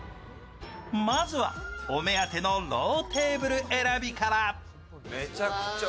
まずはお目当てのローテーブル選びから。